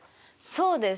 そうです